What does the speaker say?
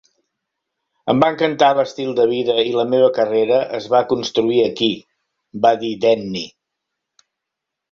"Em va encantar l'estil de vida i la meva carrera es va construir aquí", va dir Denny.